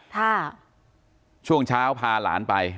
ถ้า